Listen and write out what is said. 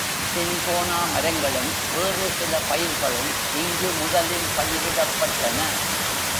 Cinchona மரங்களும் வேறு சில பயிர்களும் இங்கு முதலில் பயிரிடப்பட்டன.